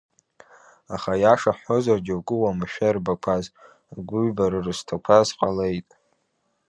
Аха, аиаша ҳҳәозар, џьоукы уамашәа ирбақәаз, агәыҩбара рызҭақәаз ҟалеит.